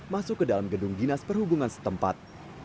masuk ke dalam gedung dinas perhubungan setempat